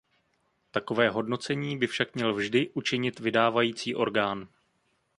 Takové hodnocení by však měl vždy učinit vydávající orgán.